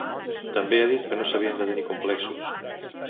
També ha dit que no s’havien de tenir complexos.